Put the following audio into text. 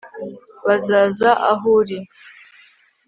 bazaza aho uri